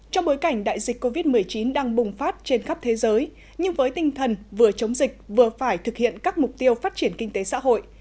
trong bối cảnh đại dịch covid một mươi chín đang bùng phát trên khắp thế giới nhưng với tinh thần vừa chống dịch vừa phải thực hiện các mục tiêu phát triển kinh tế xã hội